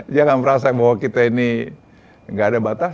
jangan merasa bahwa kita ini nggak ada batas